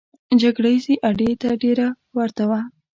جګړه ییزې اډې ته ډېره ورته وه.